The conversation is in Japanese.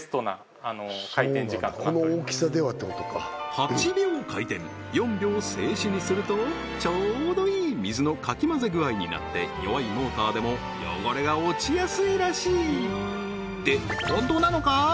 ８秒回転４秒静止にするとちょうどいい水のかき混ぜ具合になって弱いモーターでも汚れが落ちやすいらしいって本当なのか？